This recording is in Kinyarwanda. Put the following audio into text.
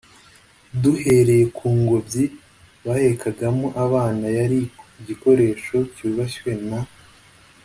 duhereye ku ngobyi bahekagamo abana, yari igikoresho cyubashywe na